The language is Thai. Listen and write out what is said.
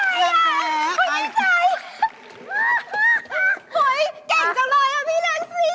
เก่งจังเลยพี่เร็งซีสีข่ะ